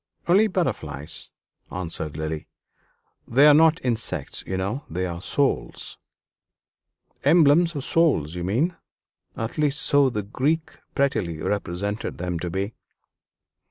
"Only butterflies," answered Lily; "they are not insects, you know; they are souls." "Emblems of souls, you mean at least so the Greeks prettily represented them to be."